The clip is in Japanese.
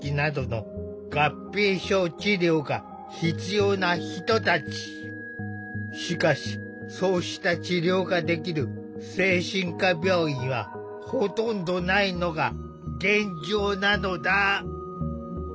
入院患者の多くはしかしそうした治療ができる精神科病院はほとんどないのが現状なのだ。